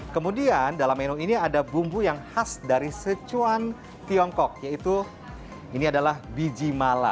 kemudian dalam menu ini ada bumbu yang khas dari sichuan tiongkok yaitu biji mala